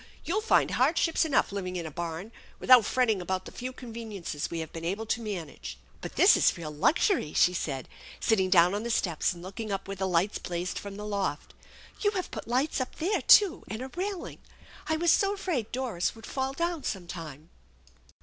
You'll find hard ships enough living in a barn without fretting about the few conveniences we have been ablo to manage." " But this is real luxury !" she said, sitting down on the steps and looking up where the lights blazed from the loft. " You have put lights up there, too, and a railing. I was so afraid Doris would fall down some time